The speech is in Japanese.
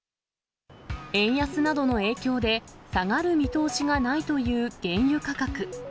円安などの影響で、下がる見通しがないという原油価格。